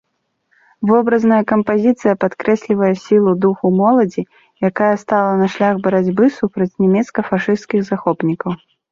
Вобразная кампазіцыя падкрэслівае сілу духу моладзі, якая стала на шлях барацьбы супраць нямецка-фашысцкіх захопнікаў.